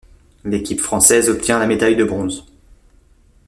L'équipe française obtient la médaille de bronze.